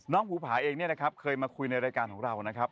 น้องภูภาเองนะครับเคยมาคุยในรายการของเรานะครับ